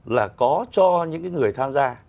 là có cho những người tham gia